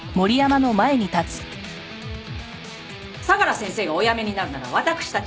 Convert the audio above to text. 相良先生がお辞めになるなら私たち